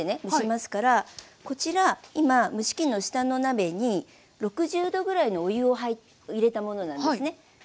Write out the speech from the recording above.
蒸しますからこちら今蒸し器の下の鍋に６０℃ぐらいのお湯を入れたものなんですね。